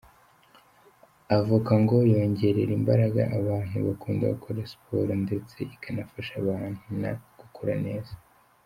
Avoka ngo yongerera imbaraga abantu bakunda gukora siporo ndtse ikanafasha abana gukura neza.